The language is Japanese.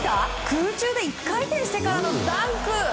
空中で１回転してからのダンク！